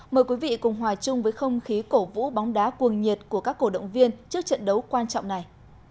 mời quý vị cùng hòa chung với không khí cổ vũ bóng đá cuồng nhiệt của các cổ động viên trước trận đấu quan trọng này